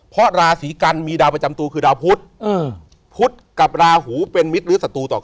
เพราะราศีกันมีดาวประจำตัวคือดาวพุทธพุธกับราหูเป็นมิตรหรือศัตรูต่อกัน